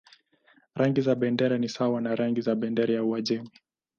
Rangi za bendera ni sawa na rangi za bendera ya Uajemi.